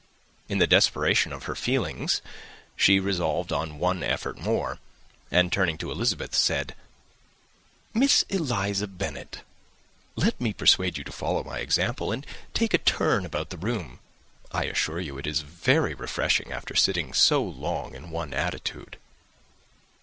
In the desperation of her feelings, she resolved on one effort more; and, turning to Elizabeth, said, "Miss Eliza Bennet, let me persuade you to follow my example, and take a turn about the room. I assure you it is very refreshing after sitting so long in one attitude."